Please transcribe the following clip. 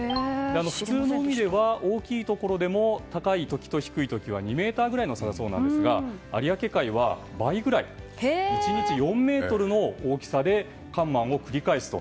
普通の海では大きいところでも高い時と低い時は２ｍぐらいの差だそうなんですが有明海は倍くらい１日４ｍの大きさで干満を繰り返すと。